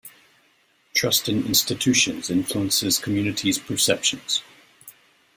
"Trust in institutions influences communities' perceptions".